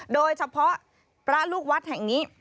โดยเฉพาะพระลูกวัดแห่งนี้